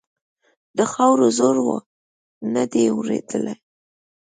د خاورو زور و؛ نه دې اورېدل.